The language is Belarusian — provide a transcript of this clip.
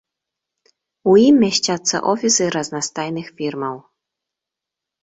У ім месцяцца офісы разнастайных фірмаў.